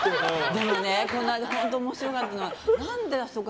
でもね、この間本当面白かったのは。